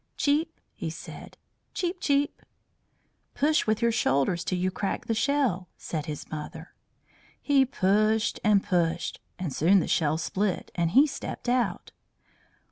"Cheep!" he said. "Cheep! Cheep!" "Push with your shoulders till you crack the shell," said his mother. He pushed and pushed, and soon the shell split, and he stepped out.